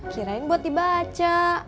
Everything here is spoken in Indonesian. kirain buat dibaca